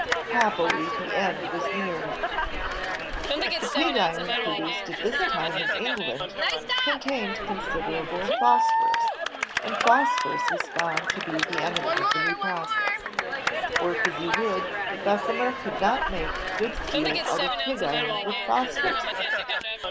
Happily the end was near. The pig iron produced at this time in England contained HENRY BESSEMER l8l OMiaderable phosphorus, and phosphorus was found to be the enemy of the new process. Work as he would, Bes semer could not make good steel out of pig iron with phosphorus in it.